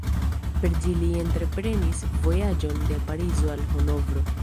Per ĝi li entreprenis vojaĝon de Parizo al Hanovro.